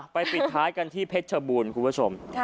ปิดท้ายกันที่เพชรชบูรณ์คุณผู้ชม